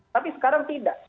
tapi sekarang tidak